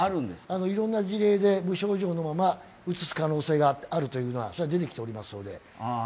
いろんな事例で無症状のままうつす可能性があるというのは出てきておりますので。